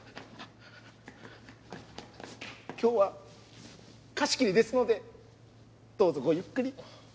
今日は貸し切りですのでどうぞごゆっくり。